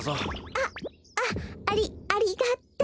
あっあっありありがとう。